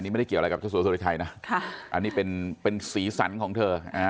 อันนี้เป็นสีสันของเธอ